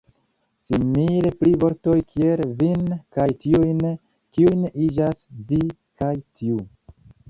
Simile pri vortoj kiel "vin" kaj "tiujn", kiuj iĝas "vi" kaj "tiu".